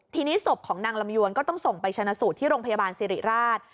ทีนี้ศพของนางลำยวนก็ต้องส่งไปชนะสูตรที่โรงพยาบาลสิริราช